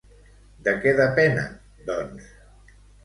De què depenen, doncs?